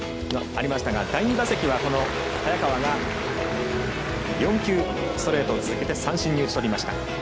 第２打席は、早川が４球ストレートを続けて三振に打ち取りました。